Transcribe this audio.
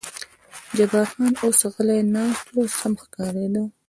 جبار خان اوس غلی ناست و، سم ښکارېده.